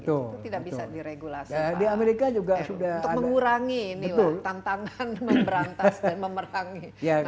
itu tidak bisa diregulasi untuk mengurangi tantangan memberantas dan memerangi